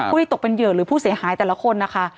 ที่ตกเป็นเหยื่อหรือผู้เสียหายแต่ละคนนะคะ